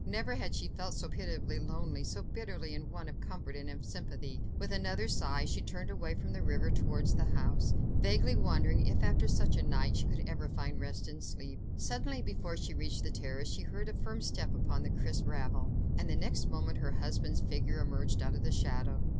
Never had she felt so pitiably lonely, so bitterly in want of comfort and of sympathy. With another sigh she turned away from the river towards the house, vaguely wondering if, after such a night, she could ever find rest and sleep. Suddenly, before she reached the terrace, she heard a firm step upon the crisp gravel, and the next moment her husband's figure emerged out of the shadow.